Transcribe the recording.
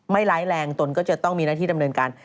ร้ายแรงตนก็จะต้องมีหน้าที่ดำเนินการ